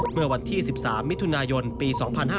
เมื่อวันที่๑๓มิถุนายนปี๒๕๕๙